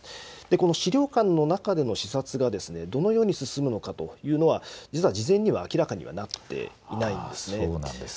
この資料館の中での視察がどのように進むのかというのは、実は事前には明らかにはなっていないんですね。